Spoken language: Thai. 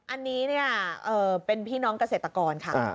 อันนี้เนี่ยเป็นพี่น้องเกษตรกรค่ะ